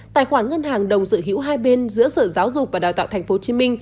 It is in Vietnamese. tài khoản ngân hàng đồng sở hữu hai bên giữa sở giáo dục và đào tạo tp hcm